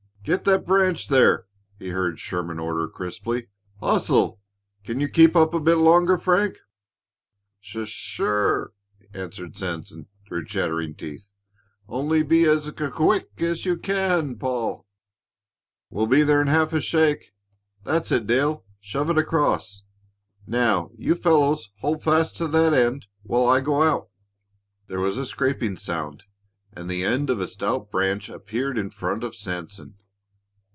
"Get that branch there," he heard Sherman order crisply. "Hustle! Can you keep up a bit longer, Frank?" "S s sure!" answered Sanson, through chattering teeth. "Only be as qu quick as you c c can. P P Paul " "We'll be there in half a shake. That's it, Dale. Shove it across. Now, you fellows hold fast to that end while I go out." There was a scraping sound and the end of a stout branch appeared in front of Sanson.